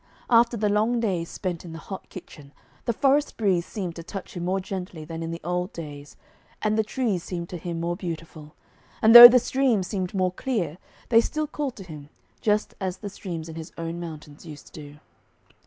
After the long days spent in the hot kitchen, the forest breeze seemed to touch him more gently than in the old days, and the trees seemed to him more beautiful. But though the streams seemed more clear, they still called to him, just as the streams in his own mountains used to do.